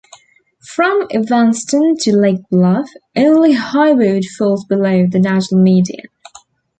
From Evanston to Lake Bluff, only Highwood falls below the national median.